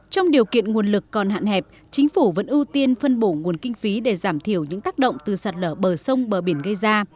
trong điều kiện nguồn lực còn hạn hẹp chính phủ vẫn ưu tiên phân bổ nguồn kinh phí để giảm thiểu những tác động từ sạt lở bờ sông bờ biển gây ra